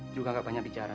juga nggak banyak bicara